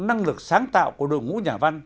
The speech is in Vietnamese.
năng lực sáng tạo của đội ngũ nhà văn